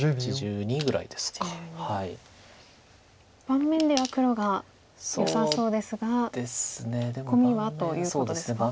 盤面では黒がよさそうですがコミはということですか？